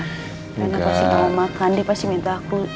rena pasti gak mau makan dia pasti minta aku